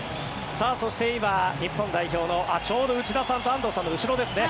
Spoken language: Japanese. そして今、日本代表のちょうど内田さんと安藤さんの後ろですね。